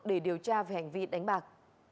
để điều tra về hành vi đánh bạc